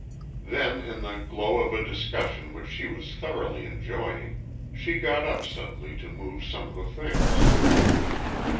Then in the glow of a discussion which she was thoroughly enjoying, she got up suddenly to move some of the things.